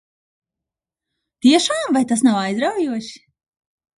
Tiešām? Vai tas nav aizraujoši?